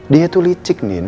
dia tuh licik din